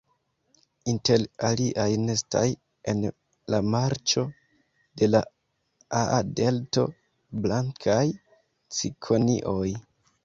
Inter aliaj nestas en la marĉo de la Aa-Delto blankaj cikonioj.